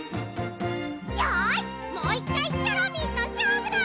よしもう１かいチョロミーとしょうぶだ！